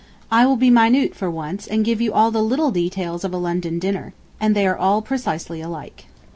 I will be minute for once, and give you the little details of a London dinner, and they are all precisely alike.